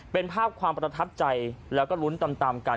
เป็นภาพความประทับใจและรุ้นตามประตับกัน